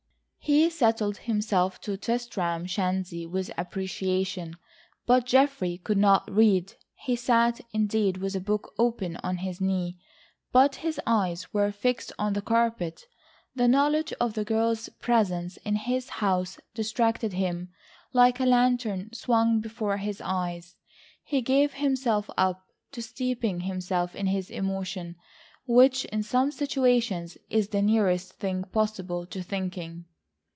He settled himself to Tristram Shandy with appreciation, but Geoffrey could not read. He sat, indeed, with a book open on his knee, but his eyes were fixed on the carpet. The knowledge of the girl's presence in his house distracted him like a lantern swung before his eyes. He gave himself up to steeping himself in his emotion, which, in some situations, is the nearest thing possible to thinking.